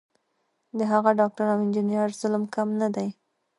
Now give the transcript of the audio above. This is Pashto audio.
د هغه ډاکټر او انجینر ظلم کم نه دی.